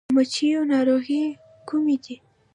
د مچیو ناروغۍ کومې دي؟